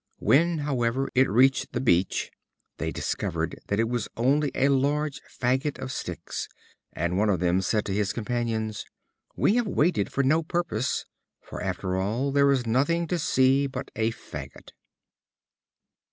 When, however, it reached the beach, they discovered that it was only a large fagot of sticks, and one of them said to his companions: "We have waited for no purpose, for after all there is nothing to see but a fagot."